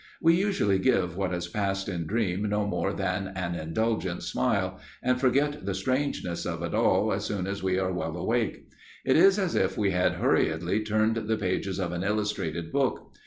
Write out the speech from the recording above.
We usually give what has passed in dream no more than an indulgent smile, and forget the strangeness of it all as soon as we are well awake. It is as if we had hurriedly turned the pages of an illustrated book.